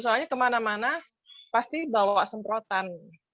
soalnya kemana mana pasti bawa semprotan